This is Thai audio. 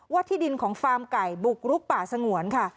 ที่ดินของฟาร์มไก่บุกรุกป่าสงวนค่ะ